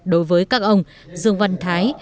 đối với các ông dương văn thái